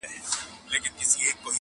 زرافه هم ډېره جګه وي ولاړه-